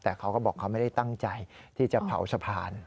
แต่เขาก็บอกเขาไม่ได้ตั้งใจที่จะเผาสะพาน